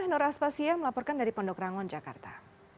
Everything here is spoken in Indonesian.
nur aspasya melaporkan dari pondok rangon jakarta